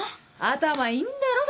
頭いいんだろ？